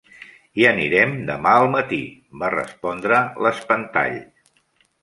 "Hi anirem demà al matí", va respondre l'espantall.